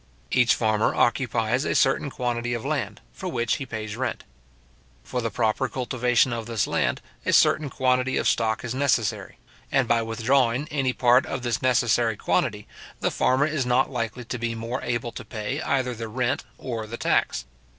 Each farmer occupies a certain quantity of land, for which he pays rent. For the proper cultivation of this land, a certain quantity of stock is necessary; and by withdrawing any part of this necessary quantity, the farmer is not likely to be more able to pay either the rent or the tax.